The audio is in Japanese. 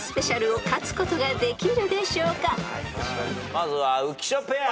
まずは浮所ペア。